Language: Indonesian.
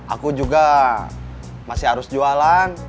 aku juga masih harus jualan